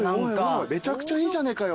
めちゃくちゃいいじゃねえかよ。